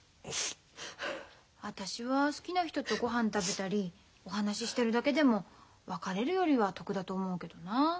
私は好きな人とごはん食べたりお話ししてるだけでも別れるよりは得だと思うけどな。